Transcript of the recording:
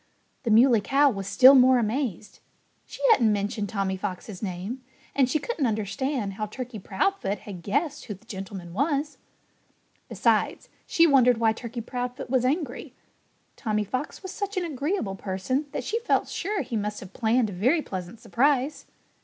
The Muley Cow was still more amazed. She hadn't mentioned Tommy Fox's name; and she couldn't understand how Turkey Proudfoot had guessed who the gentleman was. Besides, she wondered why Turkey Proudfoot was angry. Tommy Fox was such an agreeable person that she felt sure he must have planned a very pleasant surprise.